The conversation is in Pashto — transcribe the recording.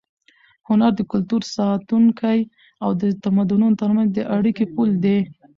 هنر د کلتور ساتونکی او د تمدنونو تر منځ د اړیکې پُل دی.